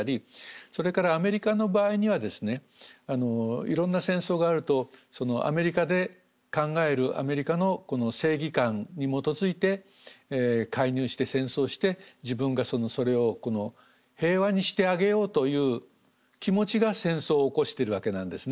それからアメリカの場合にはですねいろんな戦争があるとアメリカで考えるアメリカの正義感に基づいて介入して戦争して自分がそれを平和にしてあげようという気持ちが戦争を起こしてるわけなんですね。